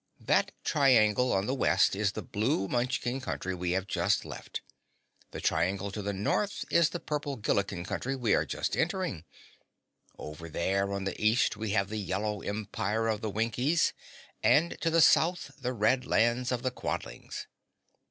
That triangle on the west is the blue Munchkin Country we have just left, the triangle to the north is the purple Gillikin Country we are just entering. Over there on the east, we have the Yellow empire of the Winkies and to the south the red lands of the Quadlings.